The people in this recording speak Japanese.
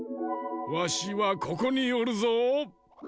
わしはここにおるぞ！